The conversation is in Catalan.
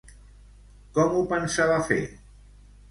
Com ho pensava fer?